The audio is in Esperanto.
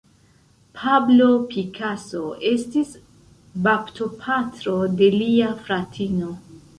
Pablo Picasso estis baptopatro de lia fratino.